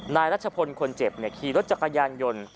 นายรัชพลคนเจ็บขี่รถจักรยานยนต์